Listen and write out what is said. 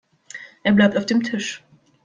Er bleibt auf dem Tisch.